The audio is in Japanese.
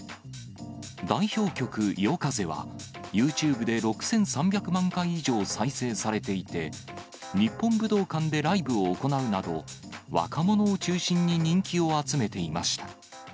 代表曲、ヨカゼは、ユーチューブで６３００万回以上再生されていて、日本武道館でライブを行うなど、若者を中心に人気を集めていました。